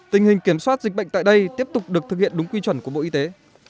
tình hình kiểm soát dịch bệnh tại đây tiếp tục được thực hiện đúng quy chuẩn của bộ y tế